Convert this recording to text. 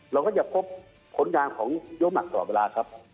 เราก็จะพบผลงานของโยมักตลอดเวลาครับ